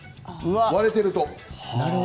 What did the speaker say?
割れていると。